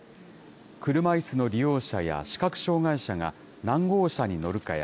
車いすの利用者や視覚障害者が何号車に乗るかや、